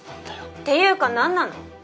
っていうかなんなの？